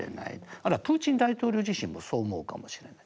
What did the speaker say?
あるいはプーチン大統領自身もそう思うかもしれない。